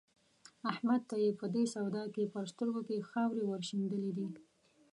احمد ته يې په دې سودا کې په سترګو کې خاورې ور شيندلې دي.